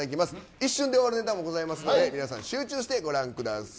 一瞬で終わるネタもございますので皆さん、集中してご覧ください。